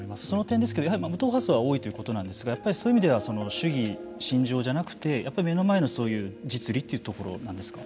その点ですけれども無党派層は多いということなんですがやっぱりそういう意味では、主義信条じゃなくてやっぱり目の前のそうですね。